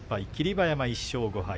馬山１勝５敗